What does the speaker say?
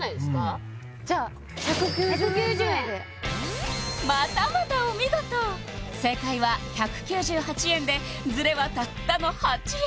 うんじゃあ１９０円ぐらいでまたまたお見事正解は１９８円でズレはたったの８円